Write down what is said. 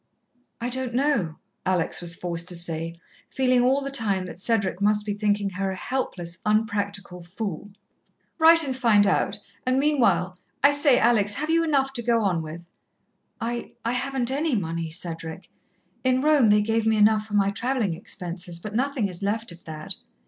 "I don't know," Alex was forced to say, feeling all the time that Cedric must be thinking her a helpless, unpractical fool. "Write and find out. And meanwhile I say, Alex, have you enough to go on with?" "I I haven't any money, Cedric. In Rome they gave me enough for my travelling expenses, but nothing is left of that."